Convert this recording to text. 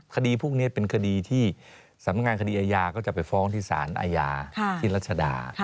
คดีพวกนี้เป็นคดีที่สำนักงานคดีอาญาก็จะไปฟ้องที่สารอาญาที่รัชดา